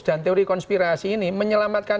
dan teori konspirasi ini menyelamatkan